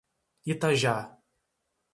Itajá